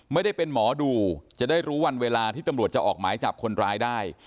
ไม่ได้เป็นหมอดูจะได้รู้วันเวลาที่ตำรวจจะออกหมายจับคนร้ายได้